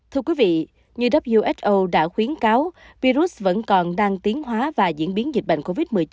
thưa quý vị như who đã khuyến cáo virus vẫn còn đang tiến hóa và diễn biến dịch bệnh covid một mươi chín